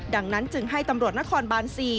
ดังนั้นจึงให้ตำรวจนครบาน๔